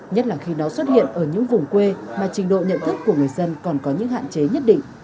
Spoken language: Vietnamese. nhất là khi nó xuất hiện ở những vùng quê mà trình độ nhận thức của người dân còn có những hạn chế nhất định